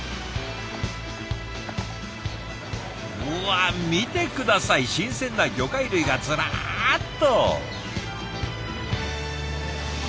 うわ見て下さい新鮮な魚介類がずらっと！